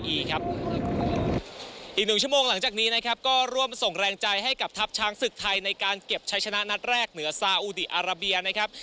อีกหนึ่งชั่วโมงหลังจากนี้นะครับก็ร่วมส่งแรงใจให้กับทัพช้างศึกไทยในการเก็บใช้ชนะนัดแรกเหนือซาอุดีอาราเบียนะครับ